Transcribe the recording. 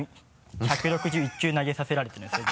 １６１球投げさせられてるんですよ